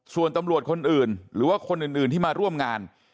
ส่วนตำรวจคนอื่นหรือว่าคนอื่นที่มาร่วมงาน